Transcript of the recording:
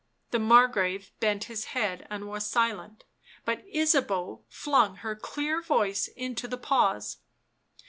The Margrave bent his head and was silent, but Ysabeau flung her clear voice into the pause.